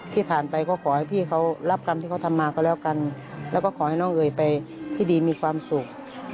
ที่ผ่านไปก็ขอให้พี่เขารับกรรมที่เขาทำมาก็แล้วกันแล้วก็ขอให้น้องเอ๋ยไปที่ดีมีความสุข